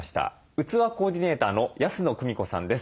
うつわコーディネーターの安野久美子さんです。